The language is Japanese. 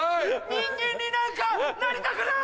人間になんかなりたくない！